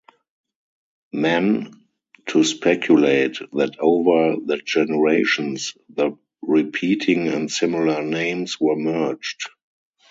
Mann to speculate that over the generations the repeating and similar names were merged.